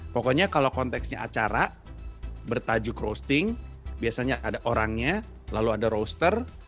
pokoknya kalau konteksnya acara bertajuk roasting biasanya ada orangnya lalu ada roaster